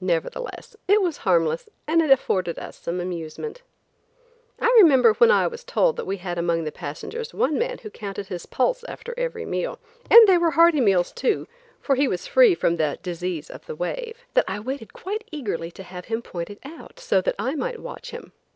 Nevertheless it was harmless and it afforded us some amusement. I remember when I was told that we had among the passengers one man who counted his pulse after every meal, and they were hearty meals, too, for he was free from the disease of the wave, that I waited quite eagerly to have him pointed out, so that I might watch him.